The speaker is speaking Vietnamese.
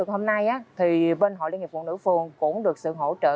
hôm nay thì bên hội liên hiệp phụ nữ phường cũng được sự hỗ trợ